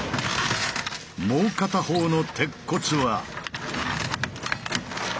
もう片方の鉄骨は。